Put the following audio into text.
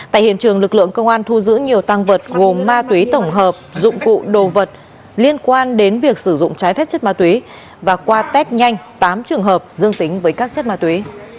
tại hiện trường lực lượng công an thu giữ nhiều tăng vật gồm ma túy tổng hợp dụng cụ đồ vật liên quan đến việc sử dụng trái phép chất ma túy và qua test nhanh tám trường hợp dương tính với các chất ma túy